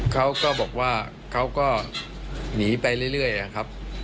เขาก็บอกว่าเขาก็หนีไปเรื่อยนะครับ